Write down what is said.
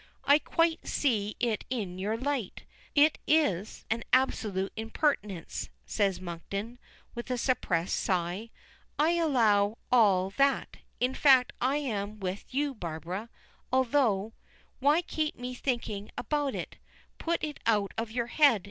"I quite see it in your light. It is an absolute impertinence," says Monkton, with a suppressed sigh. "I allow all that. In fact, I am with you, Barbara, all through: why keep me thinking about it? Put it out of your head.